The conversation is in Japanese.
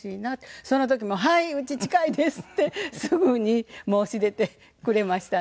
その時も「はい！うち近いです」ってすぐに申し出てくれましたんで。